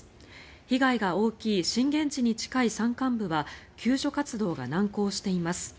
被害が大きい震源地に近い山間部は救助活動が難航しています。